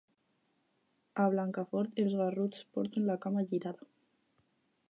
A Blancafort, els garruts porten la cama girada.